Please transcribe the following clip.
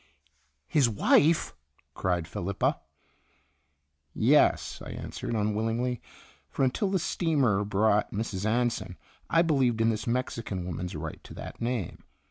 "His wife?" cried Felipa. "Yes/* I answered, unwillingly; for until the steamer brought Mrs. Anson I believed in this Mexican woman's right to that name.